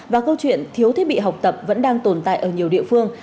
và câu chuyện thiếu thiết bị học tập vẫn đang tồn tại ở nhiều địa phương